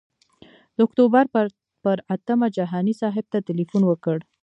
د اکتوبر پر اتمه جهاني صاحب ته تیلفون وکړ.